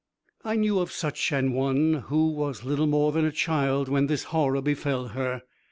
I knew of such an one who was little more than a child when this horror befell her.